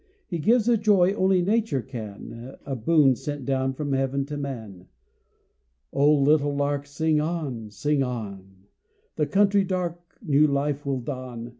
He gives a joy only nature can, A boon sent down from heaven to man. O little lark, sing on! sing on! The country dark new life will don.